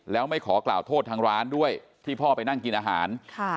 แล้วไม่ขอกล่าวโทษทางร้านด้วยที่พ่อไปนั่งกินอาหาร